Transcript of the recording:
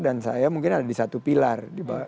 dan saya mungkin ada di satu pilar